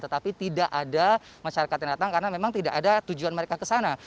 tetapi tidak ada masyarakat yang datang karena memang tidak ada tujuan mereka ke sana